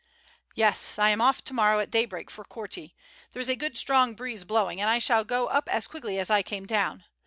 "Yes, I am off to morrow at daybreak for Korti. There is a good strong breeze blowing, and I shall go up as quickly as I came down.